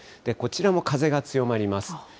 こちらも風が強まります。